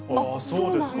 そうですか。